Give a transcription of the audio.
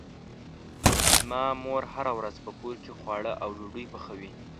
زما مور هره ورځ په کور کې خواږه او ډوډۍ پخوي.